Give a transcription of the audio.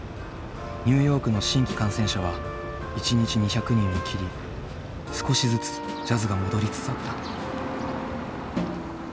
ニューヨークの新規感染者は一日２００人を切り少しずつジャズが戻りつつあった。